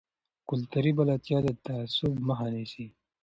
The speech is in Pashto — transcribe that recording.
کلتوري بلدتیا د تعصب مخه نیسي.